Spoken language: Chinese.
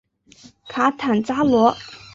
卡坦扎罗。